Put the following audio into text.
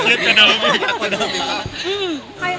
เดี๋ยวก็ไม่ได้พักอีก